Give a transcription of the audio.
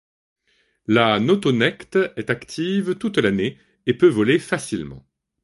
La notonecte est active toute l'année et peut voler facilement.